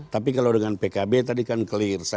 tapi kalau dengan pkb tadi kan clear